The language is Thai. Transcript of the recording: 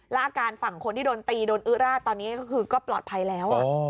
แล้วอาการฝั่งคนที่โดนตีโดนอื้อราดตอนนี้ก็คือก็ปลอดภัยแล้ว